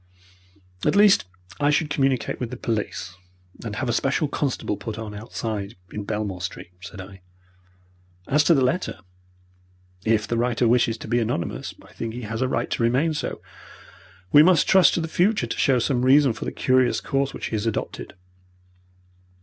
"At least, I should communicate with the police, and have a special constable put on outside in Belmore Street," said I. "As to the letter, if the writer wishes to be anonymous, I think he has a right to remain so. We must trust to the future to show some reason for the curious course which he has adopted."